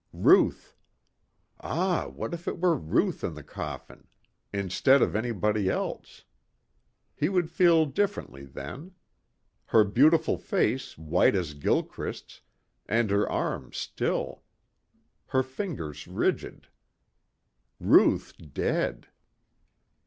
Ruth. Ah, what if it were Ruth in the coffin. Instead of anybody else. He would feel differently then. Her beautiful face white as Gilchrist's and her arms still. Her fingers rigid. Ruth dead....